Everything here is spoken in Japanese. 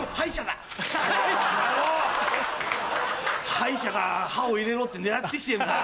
歯医者が歯を入れろって狙って来てんな。